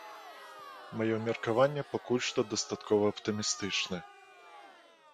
Маё меркаванне пакуль што дастаткова аптымістычны.